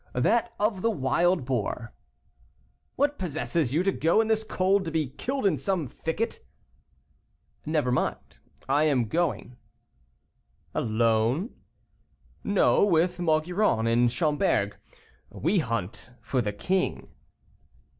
"That of the wild boar." "What possesses you to go, in this cold, to be killed in some thicket?" "Never mind, I am going." "Alone?" "No, with Maugiron and Schomberg. We hunt for the king."